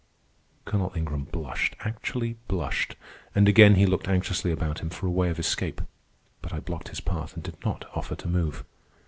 Colonel Ingram blushed, actually blushed, and again he looked anxiously about him for a way of escape. But I blocked his path and did not offer to move.